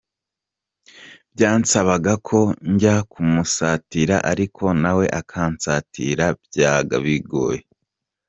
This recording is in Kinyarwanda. Byansabaga ko njya kumusatira ariko na we akansatira, byabaga bigoye.